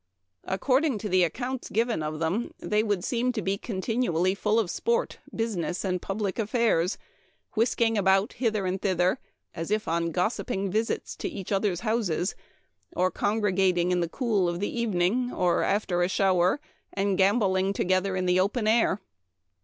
Accord ing to the accounts given of them they would seem to be continually full of sport, business, and public affairs, whisking about hither and thither, as if on gossiping visits to each other's houses, or congregating in the cool of the even ing, or after a shower, and gamboling together in the open air.